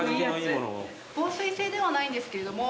防水性ではないんですけれども。